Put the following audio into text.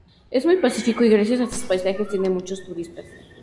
Es muy pacífico y gracias a sus paisajes tiene muchos turistas.